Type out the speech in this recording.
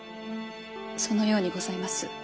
そのようにございます。